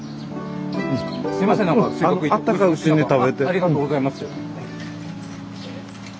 ありがとうございます。